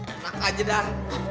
enak aja dah